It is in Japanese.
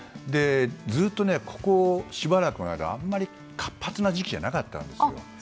ずっと、ここしばらくの間あんまり活発な時期じゃなかったんですよ。